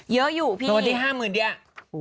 เยอะอยู่พี่รางวัลที่๕หมื่นเดี๋ยว